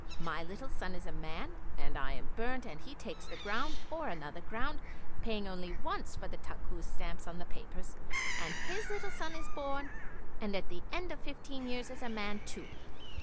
My little son is a man, and I am burnt, and he takes the ground or another ground, paying only once for the takkus stamps on the papers, and his little son is born, and at the end of fifteen years is a man too.